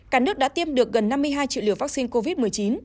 cả nước đã tiêm được gần năm mươi hai triệu liều vaccine covid một mươi chín